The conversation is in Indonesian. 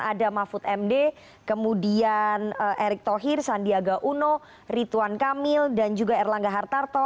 ada mahfud md kemudian erick thohir sandiaga uno rituan kamil dan juga erlangga hartarto